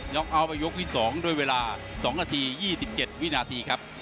น๊อคเอาไปยุคที่๒โดยเวลา๒นาที๒๗วินาที